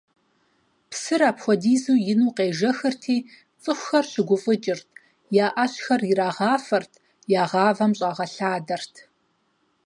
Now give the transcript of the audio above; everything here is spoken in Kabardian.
Псыр апхуэдизу ину къежэхырти, цӀыхухэр щыгуфӀыкӀырт: я Ӏэщхэр ирагъафэрт, я гъавэм щӀагъэлъадэрт.